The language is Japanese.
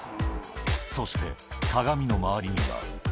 そして、鏡の周りには。